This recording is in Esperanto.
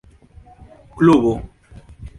klubo